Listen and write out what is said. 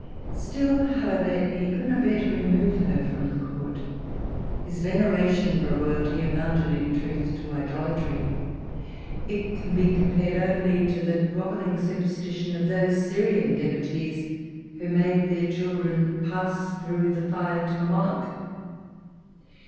Still, however, he could not bear to remove her from the Court. His veneration for royalty amounted in truth to idolatry. It can be compared only to the grovelling superstition of those Syrian devotees who made their children pass through the fire to Moloch.